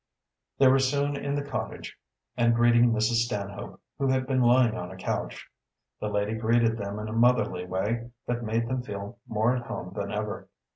They were soon in the cottage and greeting Mrs. Stanhope, who had been lying on a couch. The lady greeted them in a motherly way that made them feel more at home than ever.